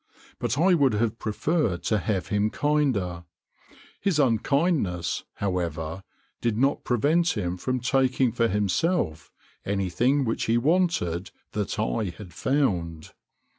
But I would have preferred to have him kinder. His unkindness, however, did not prevent him from taking for himself anything which he wanted that I had found.